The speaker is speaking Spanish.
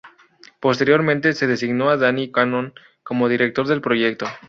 Posteriormente, se designó a Danny Cannon como director del proyecto.